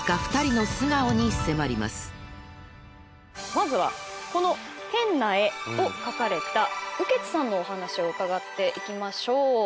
まずはこの『変な絵』を書かれた雨穴さんのお話を伺っていきましょう。